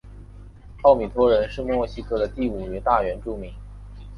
奥托米人是墨西哥第五大原住民。